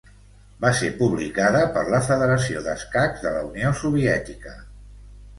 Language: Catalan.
Va ser publicada per la Federació d'Escacs de la Unió Soviètica.